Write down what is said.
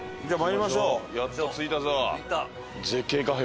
やっと着いたぞ。